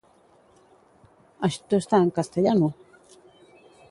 Su único afluente importante es el Charentonne.